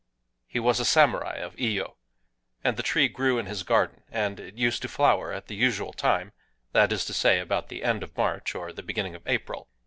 He was a samurai of Iyo; and the tree grew in his garden; and it used to flower at the usual time,—that is to say, about the end of March or the beginning of April.